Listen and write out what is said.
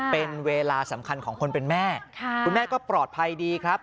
เป็นเวลาสำคัญของคนเป็นแม่คุณแม่ก็ปลอดภัยดีครับ